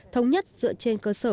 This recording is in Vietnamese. thống nhất dựa trên cơ sở